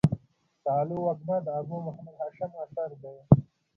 سالو وږمه د ابو محمد هاشم اثر دﺉ.